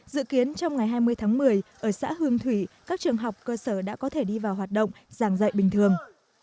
dự kiến trong ngày hai mươi tháng một mươi ở xã hương thủy các trường học cơ sở đã có thể đi vào hoạt động giảng dạy bình thường